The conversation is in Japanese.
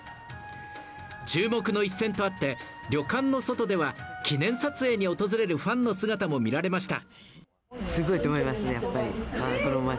注目の一戦とあって、旅館の外では記念撮影に訪れるファンの姿も見られました。